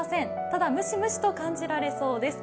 ただ、ムシムシと感じられそうです